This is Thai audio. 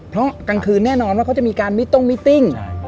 เพราะกลางคืนแน่นอนว่าเขาจะมีการมิต้งมิติ้ง